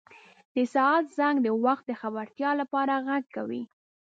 • د ساعت زنګ د وخت د خبرتیا لپاره ږغ کوي.